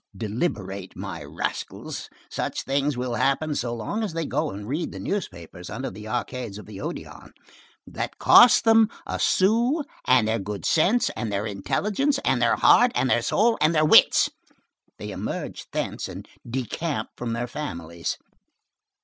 Deliberate, my rascals! Such things will happen so long as they go and read the newspapers under the arcades of the Odéon. That costs them a sou, and their good sense, and their intelligence, and their heart and their soul, and their wits. They emerge thence, and decamp from their families.